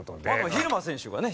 蛭間選手がね